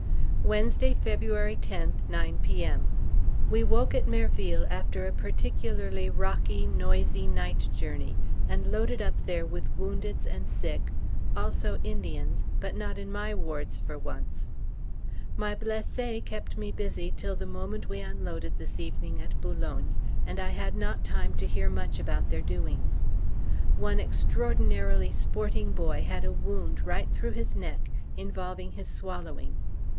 Wednesday, February 10th, 9 P.M. We woke at Merville after a particularly rocky, noisy night journey, and loaded up there with woundeds and sick, also Indians (but not in my wards for once). My blessés kept me busy till the moment we unloaded this evening at B., and I had not time to hear much about their doings. One extraordinarily sporting boy had a wound right through his neck, involving his swallowing.